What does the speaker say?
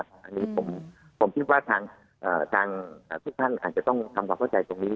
ผมคิดว่าทางผู้ที่สร้างอาจจะต้องทำความเข้าใจตรงนี้